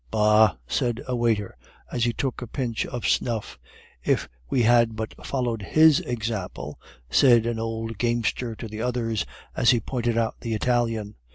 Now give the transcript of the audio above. "Bah!" said a waiter, as he took a pinch of snuff. "If we had but followed his example," said an old gamester to the others, as he pointed out the Italian.